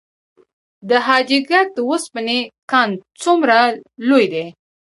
د حاجي ګک د وسپنې کان څومره لوی دی؟